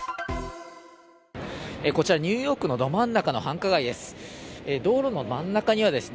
こちら、ニューヨークのど真ん中の繁華街です。